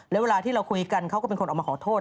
แล้วเวลาที่เราคุยกันเขาก็เป็นคนออกมาขอโทษ